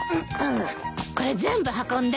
これ全部運んで。